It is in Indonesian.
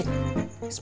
kaya ganda tuh